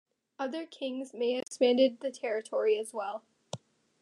Other kings may have expanded the territory as well.